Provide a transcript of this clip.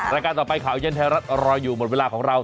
รายการต่อไปข่าวเย็นไทยรัฐรออยู่หมดเวลาของเรา